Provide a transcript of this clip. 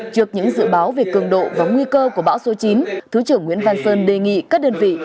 trước những dự báo về cường độ và nguy cơ của bão số chín thứ trưởng nguyễn văn sơn đề nghị các đơn vị